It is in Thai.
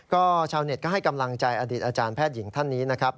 ก็ชาวเน็ตก็ให้กำลังใจอดีตอาจารย์แพทย์หญิงท่านนี้นะครับ